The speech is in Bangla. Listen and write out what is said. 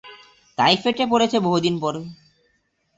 তাই ফেটে পড়েছে বহুদিন পরে।